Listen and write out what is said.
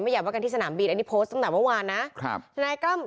ไม่อยากว่ากันที่สนามบีนอันนี้โพสต์ตั้งแต่วันนะ